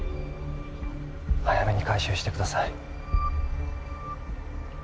早めに回収してください